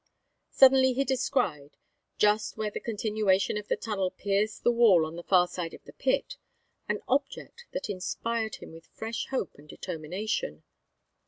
Suddenly he descried, just where the continuation of the tunnel pierced the wall on the far side of the pit, an object that inspired him with fresh hope and determination.